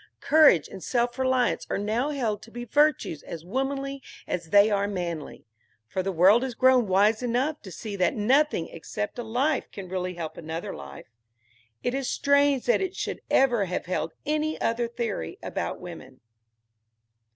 Courage and self reliance are now held to be virtues as womanly as they are manly; for the world has grown wise enough to see that nothing except a life can really help another life. It is strange that it should ever have held any other theory about woman.